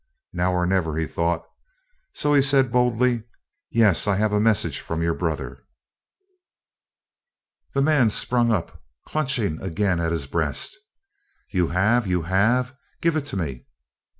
"Now or never," he thought. So he said boldly, "Yes, I have a message from your brother." The man sprung up, clutching again at his breast. "You have? you have? Give it to me.